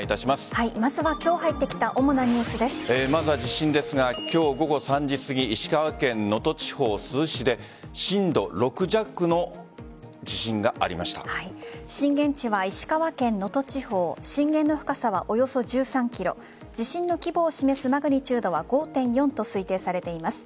まずは今日入ってきたまずは地震ですが今日午後３時すぎ石川県能登地方珠洲市で震源地は石川県能登地方震源の深さはおよそ１３ｋｍ地震の規模を示すマグニチュードは５．４と推定されています。